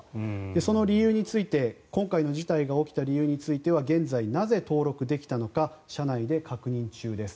その理由について今回の事態が起きた理由については現在、なぜ登録できたのか社内で確認中です